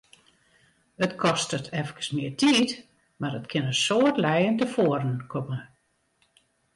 It kostet efkes mear tiid, mar it kin in soad lijen tefoaren komme.